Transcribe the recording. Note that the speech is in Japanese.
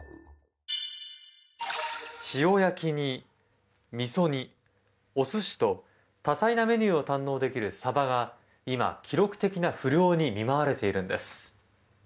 塩焼きにみそ煮お寿司と、多彩なメニューを堪能できるサバが今、記録的な不漁に見舞われているんです。